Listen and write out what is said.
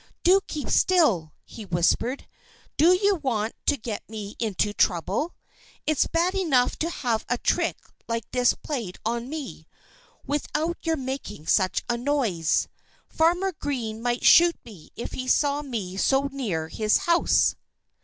"Do keep still!" he whispered. "Do you want to get me into trouble? It's bad enough to have a trick like this played on me, without your making such a noise. Farmer Green might shoot me if he saw me so near his house.